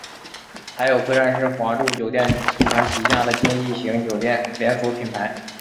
海友客栈是华住酒店集团旗下的经济型酒店连锁品牌。